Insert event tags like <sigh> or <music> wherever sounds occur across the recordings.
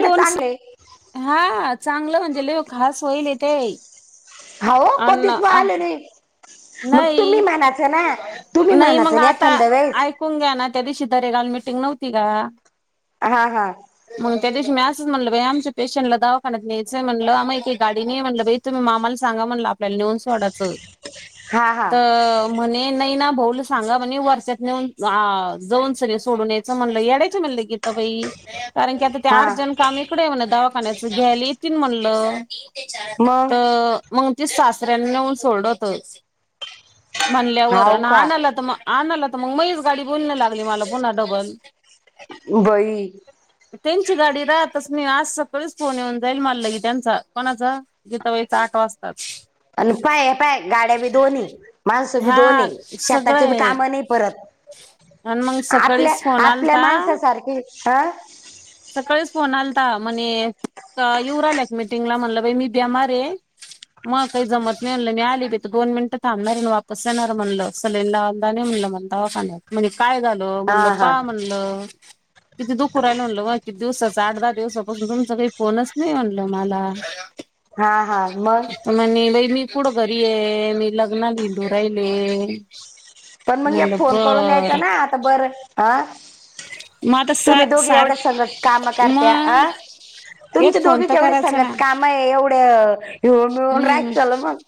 दोन, हा चांगलं म्हणजे लय हो खास होईल येते. हाव, अन कधीच मिळाले नाही. मग तुम्ही नाही म्हनायचं ना, तुम्ही म्हनायचं ना, एखाद्या वेळेस. शिकून घ्या ना, त्या दिवशी दरेगावला मिटिंग नव्हती का? हा-हा. मग त्या दिवशी मी असं म्हटलं बाई, आमच्या पेशंटला दावाखानण्यात न्यायचय म्हटलं, आम्हा एक गाडीने ये म्हटलं तुम्ही मामाला सांगा म्हणलं, आपल्याला नेहून सोडायचं, हा हा त म्हणे नाही ना, भाऊला सांगा म्हणे वर्षात नेऊन, जाऊन सगळ सोडून यायचं म्हणलं, येड आयचं म्हणलं की, बई, कारण की आता ते हा अर्जण काम इकडे आहे. म्हणा घ्यायला येतील म्हनलं. मग तर, मग ती सासऱ्यां नेऊन सोडवतच. म्हणल्यावर, हाव आणि का आणाला तर मग आणाला तर मग मच गाडी बोलण लागली मला पुन्हा डबल. बई. त्यांची गाडी राहतच नाही, आज सकाळीच फोन येऊन जाईल मला की त्यांचा, कोणाचा? गीता बाईचा, आठ वाजतात. आणि काय आहे. पाय गाड्या बी दोनय, माणसं बी हा दोनय, सगळं शेताचे बी आहे काम नाही परत. आणि मग आपल्या, सकाळीच फोन आपल्या आलता माणसासारखी, हं. सकाळीच फोन आलता, म्हणे, येऊ रायला एक मीटिंगला, म्हणलं बा मी ब्यिमार य मला काही जमत नाही म्हनलं, मी आली. तर दोन मिनट थांबणार आणि वापस जाणार म्हणलं, सलाईन लावायला नाहीत म्हणलं मला दवाखान्यात, म्हणे काय झालं म्हणलं, हा हा पाहा म्हणलं, तिथ दुख पुराय लावलं वाक किती दिवसाच, आठ, दहा दिवसापासून तुमचा काही फोनच नाही म्हणल मला. हा हा, मग. म्हणे बाई, मी कुढं घरी आहे, मी लग्नाला ईऊन राहिले. पण मग एक म्हणलं फोन करून बर द्यायचं ना, आता बरं, हा. मग आता स तुम्ही दोघी सार एवढं सांग, काम करत्या मग अं. तुमचे एक फोन दोघी तर एवढे करायचा ना सांगत काम आहे, एवढे हिऊन मिळून राहाय हम्म चल मग.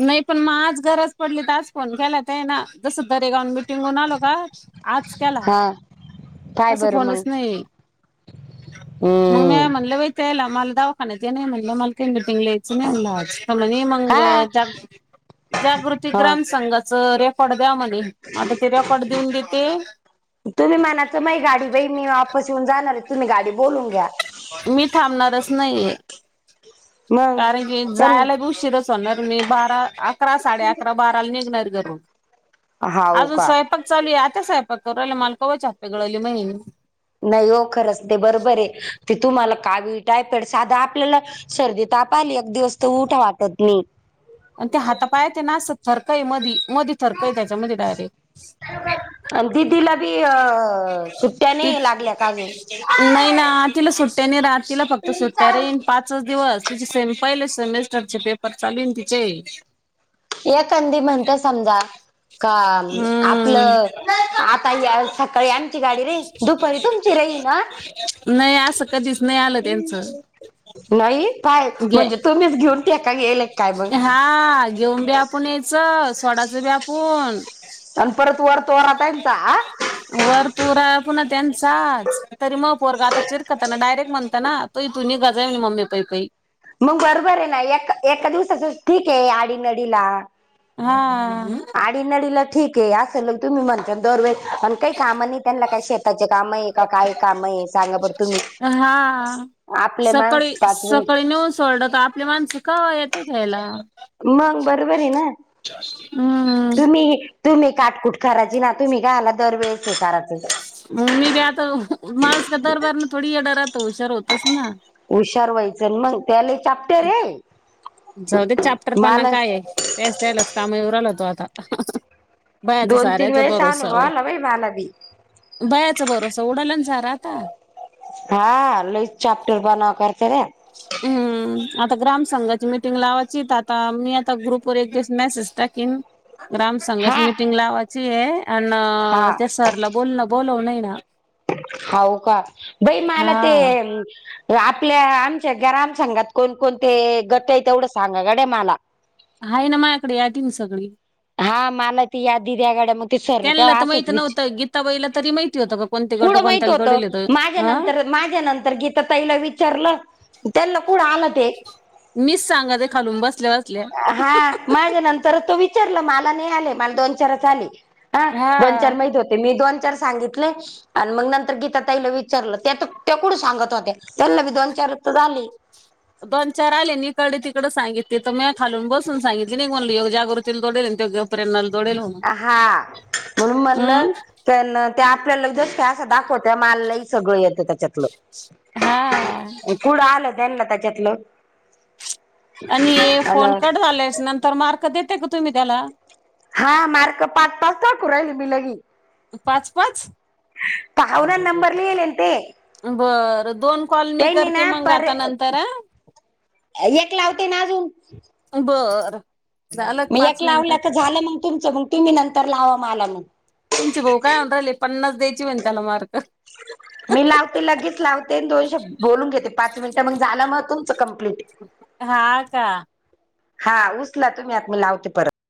नाही पण, मग आज गरज पडली, तर आज फोन केला ते ना, जसं दरेगाऊन मिटिंग होऊन आलो का, आज, केला. हा काय तस बरं मग फोनच नाही, मग म्या हम्म म्हनलं बाई ते याला मला दवाखाचे नाही म्हणलं, मला काय मिटींग ला यायच नाही म्हनलं आज. मग हा जाग, जागृती हा ग्राम संघाच रेकॉर्ड द्या म्हणलं. आता ते रेकॉर्ड देऊन देते तुम्ही म्हणाचं बाई, गाडी बाई, मी वापस येऊन जाणार आहे. तुम्ही गाडी बोलून घ्या. मी थांबणारच नाहीये. मग कारण की त्यां जायला बी उशिरच मी बारा, अकरा, साडे अकरा, बाराला निघणार घरून, हाव अजून का सैपाक पक चालू आहे, आता साहेपाक करू रायले, माल कवाचे हातपाय जोडलेय मी. नाही हो, खरंच ते बरोबर आहे, ते तुम्हाला कावी टायपेड या, साधा आपल्याला सर्दी, ताप आले, एक दिवस अगदी तर ऊठू वाटत नाही. हातापायाचे ना आस सरकय मधी मधे सारखं त्याच्यामध्ये डायरेक्ट. आणि दिदीला बी अ सुट्ट्या नाही तिच लागल्या का नाही ना अजून तिला सुट्या नाही रहात तिला फक्त सुट्टया राहीन पाच. चंच दिवस तिचे सेम पहिले सेमिस्टरचे पेपर चालू आहे ना तिचे. एखांदी म्हणत्या समजा. काम हम्म आपलं आता या सकाळी आठची गाडी रे. दुपारी तुमची राही ना नाही असं कधीच. नाही आलं त्यांचं नाही काय घे म्हणजे तुम्हीच घेऊन ठेका गेलय. हा घेऊन बी आपण यायचं सोडाचं बी आपूण. अन परत वर तोरा त्यांचा आ. वर तोरा पुन्हा त्यांचाच तरी मग पोरगं आता चिरकतना डायरेक्ट म्हणतं ना. तुझी तू निघा जाई ना मम्मे पई पई. मग बरोबर आहे ना एका एका दिवसाचंच ठीक आहे आडीनडीला. हा आडीनडीला ठीक आहे असलं तुम्ही म्हणता दरवे अन काही कामं नाही त्यांना काही शेताचे कामंय का काय कामंय सांगा बर तुम्ही. हा आपले माणस सकाळी पाच मिनिट सकाळी नेऊन सोडलं का आपली माणसं कवा येते घ्यायला. मंग बरोबर आहे ना. हम्म तुम्ही तुम्ही काटकुट करायची ना तुम्ही कायला दरवेेळेस करायचंच हाय. मी बी आता माणूस का दरबारने थोडी यडा राहतो हुशार होतोच ना. हुशार व्हायचं न मग त्याला लय चा जाऊ दे चॅप्टरपणा मला काय आहे. तेच त्यालाच कामं येऊ राहिला तो आता. बयाचा दोन तीन सार्याचा वेळेस भरोसा अनुभव ओ. आला बाई मला बी बयाचा भरोसा उडाला ना सारा आता. हा लईच चॅप्टरपणा करते रे. हम्म आता ग्राम संंघाची मिटिंग लावायची तर आता मी आता ग्रुप वर एक दिवस मेसेज. टाकीन ग्रामसंघाची हा मिटिंग लावायची ए हा अनं त्या सर ला. बोलणं बोलवलंय ना. हाव का बाई मला ते. हा आपल्या आमच्या ग्राम संघात कोणकोणते गट ए तेवढं सांगा गडे मला. हाय ना माझ्याकडं यादी म सगळी. हा मला ती यादी द्या गड्या म ती सर बी तेव्हा असंच विच तवा हिला तरी माहिती होतं का कोणते गट कुडं माहित कोणत्याला होतं तोडेल माझ्या हा नंतर माझ्या नंतर गीता ताईला विचारलं. त्यांना कुडं आलं ते. मीच सांगाते खालून बसल्या बसल्या. हा माझ्या नंतरच तो विचारला मला नाही आले मला दोन चारच आले. हा दोन चार माहित होते मी दोन चार सांगितले. अन मग नंतर गीता ताईला विचारलं त्या तर त्या कुडं सांगत होत्या त्यांना बी दोन चार तर आली. दोन चार आले निकडे तिकडं सांगितली तर म्या खालून बसून सांगितली नाही म्हणलं योग जागृती <unintelligible> <unintelligible> आ हा म्हणून म्हणलं त्यांना ते आपल्याला जसं काय असं दाखवत्या मला लय सगळं येतं त्याच्यातलं. हा कुडं आलं त्यांला त्याच्यातलं. आणि ए अन फोन कट झालेस नंतर मार्क देते का तुम्ही त्याला? हा मार्क पाच पाच टाकू राहिली मी लगी. पाच पाच पाहुना नंबर लिहिलेल ते बरं दोन कॉल मी त्यांनी करते ना मंग पर आता नंतर आं. एक लावते ना अजून. बरं. मी एक लावला तर झालं मग तुमचं मग तुम्ही नंतर लावा मला मग. तुमची बहु काय <unintelligible> पन्नास द्यायची म्हण त्याला मार्क. मी लावते लगेच लावते आन दोन शब्द बोलून घेते पाच मिनिटं मंग झाला म तुमचं कम्प्लीट. हा का. हा उचला तुम्ही आत मी लावते परत.